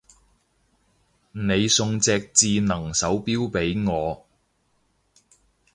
你送隻智能手錶俾我